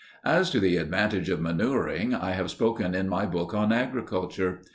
As to the advantages of manuring I have spoken in my book on agriculture.